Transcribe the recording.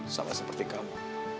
sama seperti kamu